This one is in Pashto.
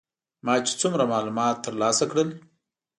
ما چې څومره معلومات تر لاسه کړل.